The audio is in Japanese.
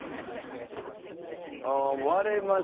ああ割れました。